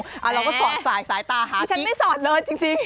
แต่เราก็สอนสายสายตาหากิ๊ก